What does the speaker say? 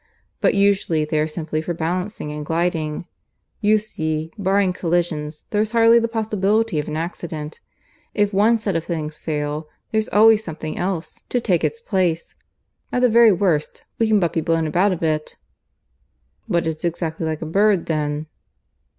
But usually they are simply for balancing and gliding. You see, barring collisions, there's hardly the possibility of an accident. If one set of things fails, there's always something else to take its place. At the very worst, we can but be blown about a bit." "But it's exactly like a bird, then."